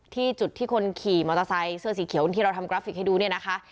ที่จุดที่คนขี่มอเตอร์ไซค์เสื้อสีเขียวที่เราทำกราฟิกให้ดูเนี่ยนะคะ